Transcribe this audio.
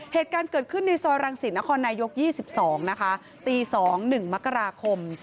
ในการเกิดขึ้นในซอยรังศิษย์นครนายก๒๒นะคะตี๒๑มกราคม